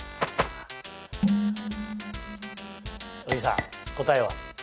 小木さん答えは？